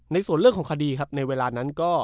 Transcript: ในส่วนของคดีครับในเวลานั้นก็